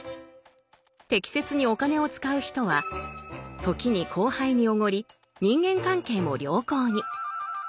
適切にお金を使う人は時に後輩におごり人間関係も良好に。